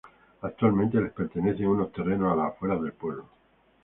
Actualmente les pertenecen unos terrenos a las afueras del pueblo.